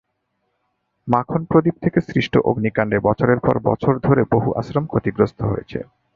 মাখন প্রদীপ থেকে সৃষ্ট অগ্নিকাণ্ডে বছরের পর বছর ধরে বহু আশ্রম ক্ষতিগ্রস্ত হয়েছে।